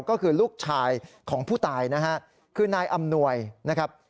ก็คือลูกชายของผู้ตายนะฮะคือนายอำนวยนะครับ